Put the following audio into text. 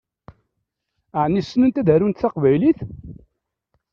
Ɛni ssnent ad arunt taqbaylit?